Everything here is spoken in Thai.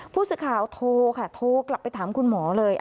ผู้สื่อข่าวโทรค่ะโทรกลับไปถามคุณหมอเลย